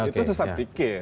itu sesat pikir